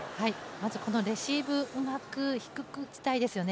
まずこのレシーブ、うまく低く打ちたいですよね。